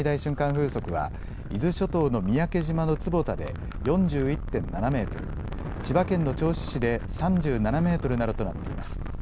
風速は伊豆諸島の三宅島の坪田で４１．７メートル、千葉県の銚子市で３７メートルなどとなっています。